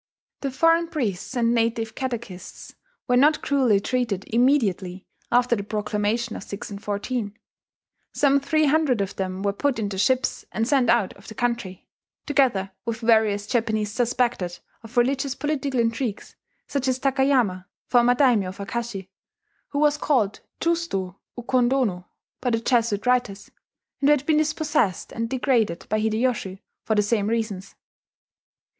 The foreign priests and native catechists were not cruelly treated immediately after the proclamation of 1614. Some three hundred of them were put into ships and sent out of the country, together with various Japanese suspected of religious political intrigues, such as Takayama, former daimyo of Akashi, who was called "Justo Ucondono" by the Jesuit writers, and who had been dispossessed and degraded by Hideyoshi for the same reasons.